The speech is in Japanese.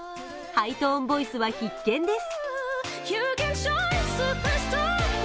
ハイトーンボイスは必見です。